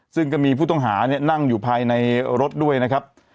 ซึ่งก็มีผู้ต้องหานั่งอยู่ภายในรถด้วยนะครับ